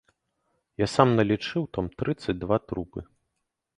Я сам налічыў там трыццаць два трупы.